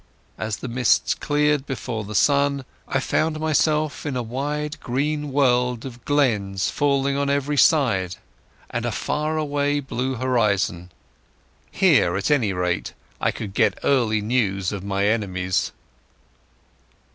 As the mists cleared before the sun, I found myself in a wide green world with glens falling on every side and a far away blue horizon. Here, at any rate, I could get early news of my enemies.